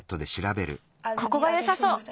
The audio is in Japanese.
ここがよさそう。